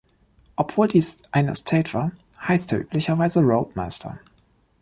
Obwohl dies ein Estate war, heißt er üblicherweise Roadmaster.